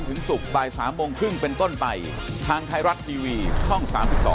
ต้องพึ่งเป็นต้นไปทางไทยรัตน์ทีวีท่อง๓๒